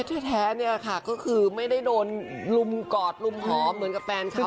แท้เนี่ยค่ะก็คือไม่ได้โดนลุมกอดลุมหอมเหมือนกับแฟนเขา